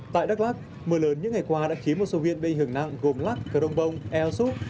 tại đắc lắc mưa lớn những ngày qua đã khiến một số viên bị ảnh hưởng nặng gồm lắc khởi đông bông eo xúc